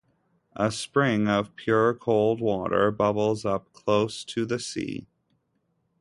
A spring of pure cold water bubbles up close to the sea.